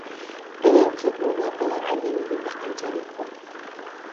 Bilingki, bu moddalar organizmda qanchalik ko'p.